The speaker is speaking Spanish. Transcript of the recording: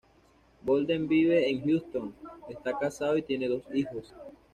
Bolden vive en Houston, esta casado y tiene dos hijos.